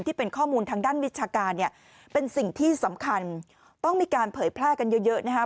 ที่เป็นข้อมูลทางด้านวิชาการเนี่ยเป็นสิ่งที่สำคัญต้องมีการเผยแพร่กันเยอะเยอะนะครับ